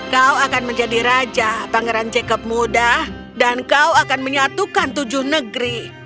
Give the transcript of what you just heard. kau akan menjadi raja pangeran jacob muda dan kau akan menyatukan tujuh negeri